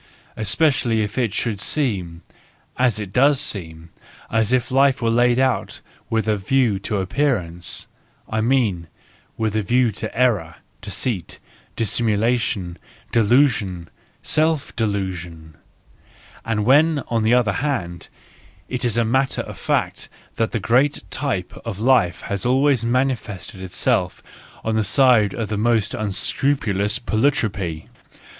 especially if it should seem— and it does seem—as if life were laid out with a view to appearance, I mean, with a view to error, deceit, dissimulation, delusion, self delusion; and when on the other hand it is a matter of fact that the great type of life has always manifested itself on the side of the most unscrupulous 7ro\vTpoiroi.